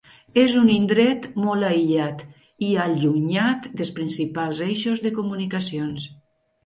És un indret molt aïllat i allunyat dels principals eixos de comunicacions.